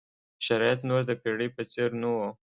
شرایط نور د پېړۍ په څېر نه وو.